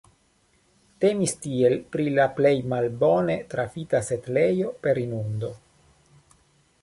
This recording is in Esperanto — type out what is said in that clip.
Temis tiel pri la plej malbone trafita setlejo per inundo.